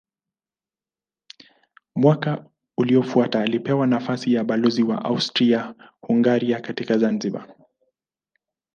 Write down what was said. Mwaka uliofuata alipewa nafasi ya balozi wa Austria-Hungaria katika Zanzibar.